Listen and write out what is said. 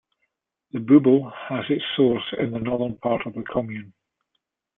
The Bouble has its source in the northern part of the commune.